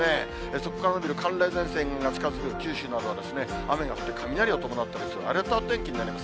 そこから延びる寒冷前線が近づく九州などは雨が降って雷を伴ったり、荒れた天気になります。